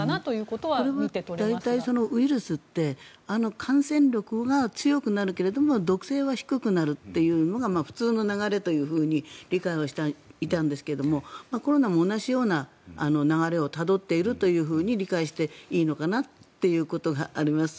これは大体、ウイルスって感染力が強くなるけれども毒性は低くなるというのが普通の流れというふうに理解はしていたんですがコロナも同じような流れをたどっていると理解していいのかなということがあります。